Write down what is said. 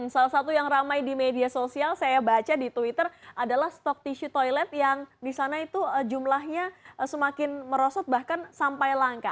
salah satu yang ramai di media sosial saya baca di twitter adalah stok tisu toilet yang di sana itu jumlahnya semakin merosot bahkan sampai langka